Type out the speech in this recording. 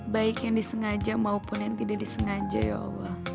baik yang disengaja maupun yang tidak disengaja ya allah